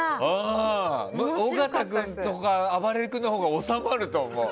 尾形君とかあばれる君のほうが収まると思う。